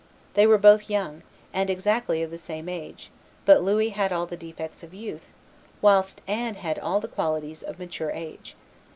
They were both young, and exactly of the same age; but Louis had all the defects of youth, whilst Anne had all the qualities of mature age.